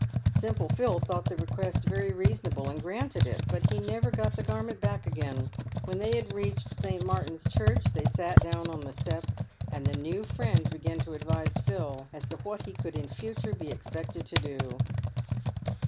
Simple Phil thought the request very reasonable, and granted it, but he never got the garment back again. When they had reached St. Martin's Church they sat down on the steps, and the new friend began to advise Phil as to what he would in future be expected to do.